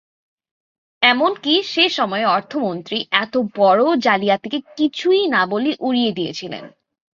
এমনকি সে সময়ে অর্থমন্ত্রী এত বড় জালিয়াতিকে কিছুই না বলে উড়িয়ে দিয়েছিলেন।